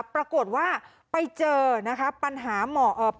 ปรากฏว่าไปเจอนะคะปัญหาหมอเอ่อ